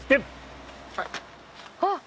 あっ！